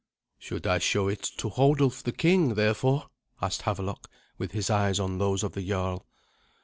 "Should I show it to Hodulf the king, therefore?" asked Havelok, with his eyes on those of the jarl.